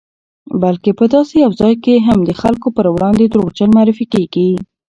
بلکې په داسې یو ځای کې هم د خلکو پر وړاندې دروغجن معرفي کېږي